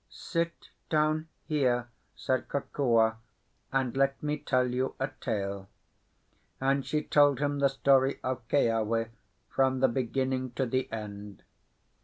"Sit down here," said Kokua, "and let me tell you a tale." And she told him the story of Keawe from the beginning to the end.